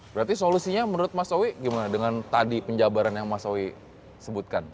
berarti solusinya menurut mas towi gimana dengan tadi penjabaran yang mas owi sebutkan